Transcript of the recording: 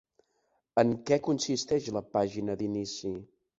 En què consisteix la pàgina d'inici?